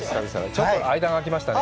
ちょっと間があきましたね。